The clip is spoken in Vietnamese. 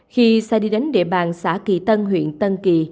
khi xe đi đến địa bàn xã kỳ tân huyện tân kỳ